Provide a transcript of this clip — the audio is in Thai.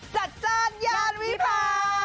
จัดจ้านย่านวิพา